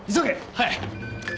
はい！